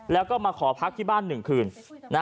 แล้วก็มาขอพักที่บ้าน๑คืน